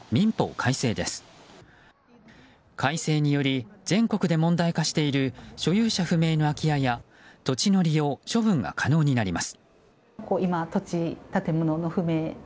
改正により、全国で問題化している所有者不明の空き家や土地の利用・処分が可能になります。